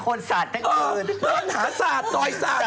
กลัวตอนต่อ๔๐๐จะไม่เมาวอลอิเจอร์